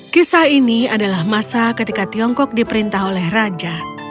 kisah ini adalah masa ketika tiongkok diperintah oleh raja